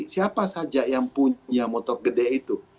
siapa saja yang punya motor gede itu